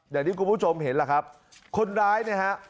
อย่างที่คุณผู้ชมเห็นล่ะครับคนร้ายเนี่ยฮะ